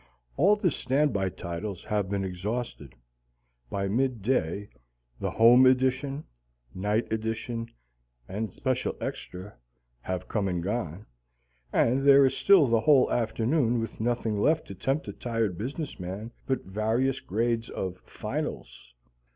All the stand by titles have been exhausted. By midday the "Home Edition," "Night Edition," and "Special Extra" have come and gone, and there is still the whole afternoon with nothing left to tempt the tired business man but various grades of "Finals."